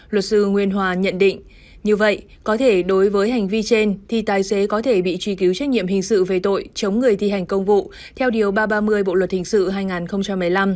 luật sư nguyên hòa nhận định như vậy có thể đối với hành vi trên thì tài xế có thể bị truy cứu trách nhiệm hình sự về tội chống người thi hành công vụ theo điều ba trăm ba mươi bộ luật hình sự hai nghìn một mươi năm